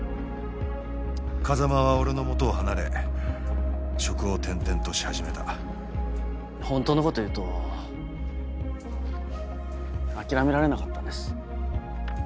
風真は俺の元を離れ職を転々とし始めた本当のこと言うと諦められなかったんです。